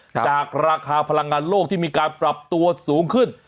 จากราคาพลังงานโลกที่มีการปรับตัวสูงขึ้น